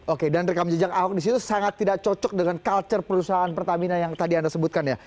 oke dan rekam jejak ahok disitu sangat tidak cocok dengan culture perusahaan pertamina yang tadi anda sebutkan ya